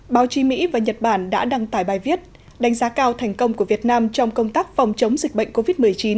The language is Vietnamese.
báo chí mỹ và nhật bản đã đăng tải bài viết đánh giá cao thành công của việt nam trong công tác phòng chống dịch bệnh covid một mươi chín